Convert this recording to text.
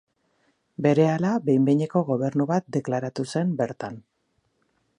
Berehala behin-behineko gobernu bat deklaratu zen bertan.